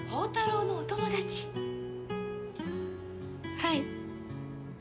はい。